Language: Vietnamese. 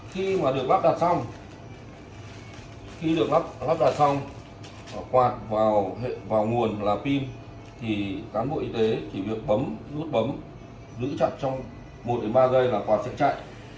khi mà được lắp đặt xong quạt vào nguồn là pin thì cán bộ y tế chỉ việc bấm nút bấm giữ chặt trong một ba giây là quạt sẽ chạy